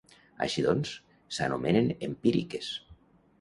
Així doncs, s'anomenen "empíriques".